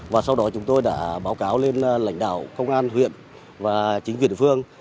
và sau đó chúng tôi đã báo cáo lên lãnh đạo công an huyện và chính quyền địa phương